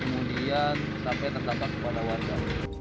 kemudian sampai terdampak kepada warga